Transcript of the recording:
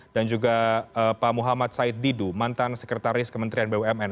dan juga pak muhammad said didu mantan sekretaris kementerian bumn